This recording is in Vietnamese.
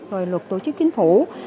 rồi luật tổ chức chính phủ